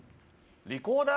リコーダー？